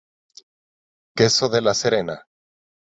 Queso de La Serena